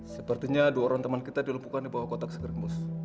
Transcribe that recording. sepertinya dua orang teman kita dilumpuhkan di bawah kotak segerbus